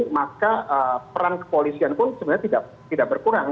maka peran kepolisian pun sebenarnya tidak berkurang